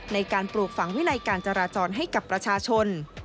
ในการปลูกฝังวินัยการจราจรให้กับประชาชน